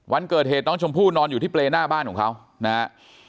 วันเกิดเหตุน้องชมพู่นอนอยู่ที่เปรย์หน้าบ้านของเขานะฮะ